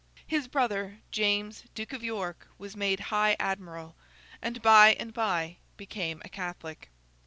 His brother James, Duke of York, was made High Admiral, and by and by became a Catholic.